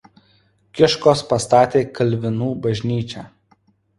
Kiškos pastatė kalvinų bažnyčią.